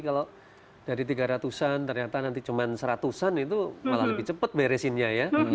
kalau dari tiga ratus an ternyata nanti cuma seratusan itu malah lebih cepat beresinnya ya